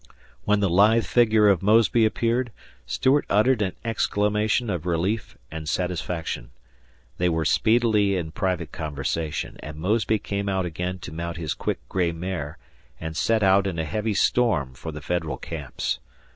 When the lithe figure of Mosby appeared, Stuart uttered an exclamation of relief and satisfaction. They were speedily in private conversation, and Mosby came out again to mount his quick gray mare and set out in a heavy storm for the Federal camps.